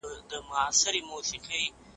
هم پر کور هم یې